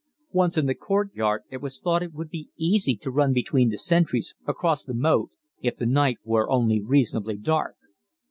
Once in the courtyard it was thought that it would be easy to run between the sentries across the moat if the night were only reasonably dark.